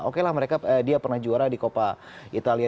oke lah dia pernah juara di coppa italia dua ribu empat belas